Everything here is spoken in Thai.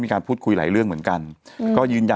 มีสารตั้งต้นเนี่ยคือยาเคเนี่ยใช่ไหมคะ